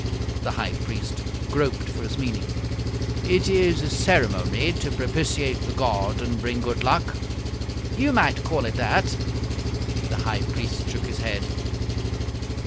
The High Priest groped for his meaning. "It is a ceremony to propitiate the god and bring good luck?" "You might call it that." The High Priest shook his head.